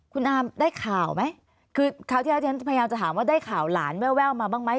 คุณอามได้ข่าวไหมคือคราวที่แล้วที่ฉันพยายามจะถามว่าได้ข่าวหลานแววมาบ้างไหม